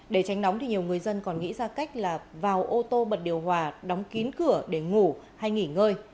để tránh nóng thì nhiều người dân còn nghĩ ra cách là vào ô tô bật điều hòa đóng kín cửa để ngủ hay nghỉ ngơi